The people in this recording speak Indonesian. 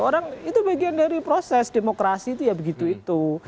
orang itu bagian dari proses demokrasi itu ya begitu itu